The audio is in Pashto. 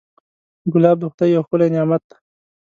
ګلاب د خدای یو ښکلی نعمت دی.